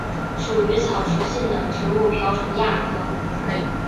属于草食性的食植瓢虫亚科。